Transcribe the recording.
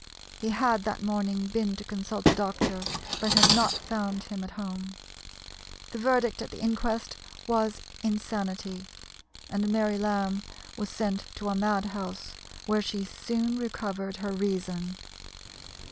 He had that morning been to consult a doctor, but had not found him at home. The verdict at the inquest was "Insanity," and Mary Lamb was sent to a mad house, where she soon recovered her reason.